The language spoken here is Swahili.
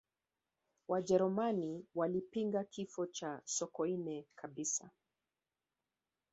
wajerumani walipinga kifo cha sokoine kabisa